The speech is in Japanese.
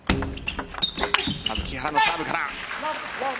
まず木原のサーブから。